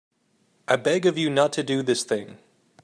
I beg of you not to do this thing.